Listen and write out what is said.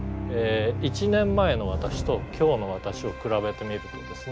１年前の私と今日の私を比べてみるとですね